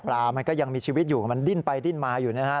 มันก็ยังมีชีวิตอยู่มันดิ้นไปดิ้นมาอยู่นะครับ